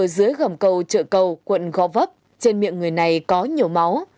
dưới gầm cầu chợ cầu quận gò vấp trên miệng người này có nhiều máu